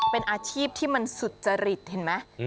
เป็นอาชีพที่มันสุจริตเห็นไหม